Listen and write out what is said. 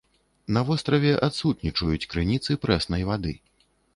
На востраве адсутнічаюць крыніцы прэснай вады.